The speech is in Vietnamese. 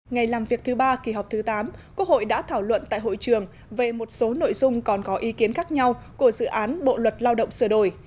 ngày làm việc thứ ba kỳ họp thứ tám quốc hội đã thảo luận tại hội trường về một số nội dung còn có ý kiến khác nhau của dự án bộ luật lao động sửa đổi